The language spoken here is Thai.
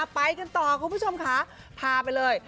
ไปกันต่อคุณผู้ชมค่ะพาไปเลย